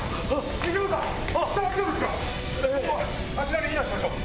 あちらに避難しましょう。